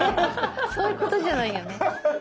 そういうことじゃないよね。